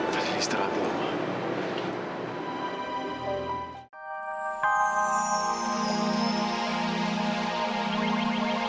fadil istirahat dulu ma